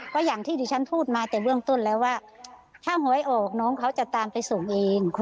ก็อย่างที่ดิฉันพูดมาแต่เบื้องต้นแล้วว่าถ้าหวยออกน้องเขาจะตามไปส่งเอง